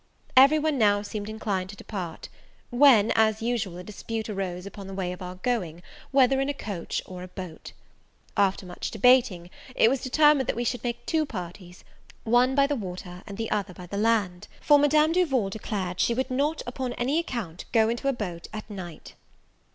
Every one now seemed inclined to depart, when, as usual, a dispute arose upon the way of our going, whether in a coach or a boat. After much debating, it was determined that we should make two parties, one by the water and the other by land; for Madame Duval declared she would not, upon any account, go into a boat at night.